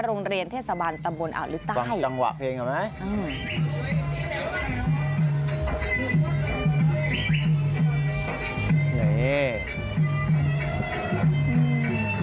โรงเรียนเทศบาลตะบลอาวิทยาลัยจังหวะเพลงเหรอไหม